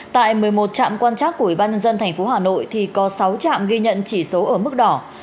tại một mươi một trạm quan trắc của ủy ban nhân dân thành phố hà nội thì có sáu trạm ghi nhận chỉ số ở mức đỏ